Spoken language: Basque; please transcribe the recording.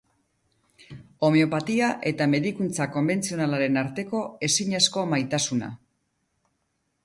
Homeopatia eta medikuntza konbentzionalaren arteko ezinezko maitasuna.